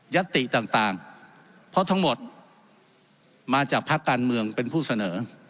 ติต่างเพราะทั้งหมดมาจากภาคการเมืองเป็นผู้เสนอ